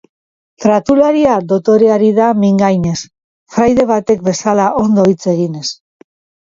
Tratularia dotore ari da mingainez, fraide batek bezala ondo hitz eginez.